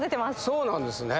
そうなんですね。